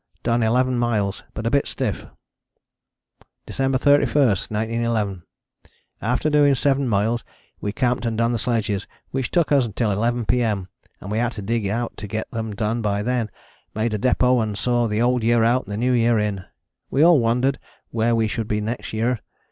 Done 11 miles but a bit stiff. December 31, 1911. After doing 7 miles we camped and done the sledges which took us until 11 P.M., and we had to dig out to get them done by then, made a depôt and saw the old year out and the new year in. We all wondered where we should be next New Year.